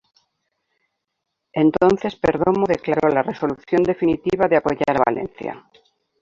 Entonces Perdomo declaró la resolución definitiva de apoyar a Valencia.